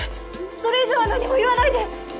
それ以上は何も言わないで。